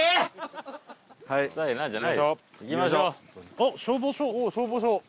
おっ消防署。